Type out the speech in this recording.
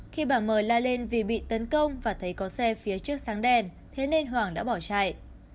khi bà mời la lên vì bị tấn công và thấy có xe phía trước sáng đèn thế nên hoàng đã bỏ chạy